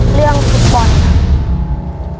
เรื่องคุณบอลครับ